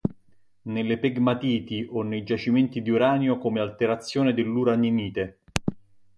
Nelle pegmatiti o nei giacimenti di uranio come alterazione dell'uraninite.